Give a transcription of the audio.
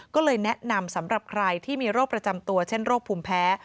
ก็เลยแนะนำสำหรับใครที่มีโรคประจำตัวเช่นโรคภูมิแพ้